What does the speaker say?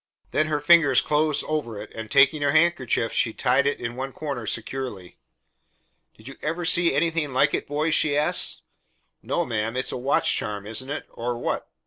Then her fingers closed over it, and taking her handkerchief she tied it in one corner securely. "Did you ever see anything like it, boys?" she asked. "No, ma'am. It's a watch charm, isn't it? Or what?"